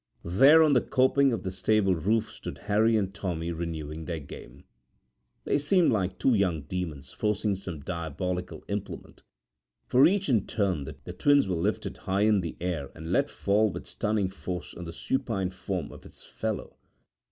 There, on the coping of the stable roof, stood Harry and Tommy renewing their game. They seemed like two young demons forging some diabolical implement, for each in turn the twins were lifted high in air and let fall with stunning force on the supine form of its fellow.